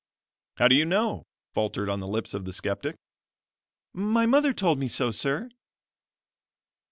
"How do you know?" faltered on the lips of the skeptic. "My mother told me so, sir."